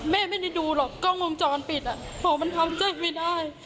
แม่ไม่ได้ดูหรอกกล้องวงจรปิดอ่ะโหมันทำใจไม่ได้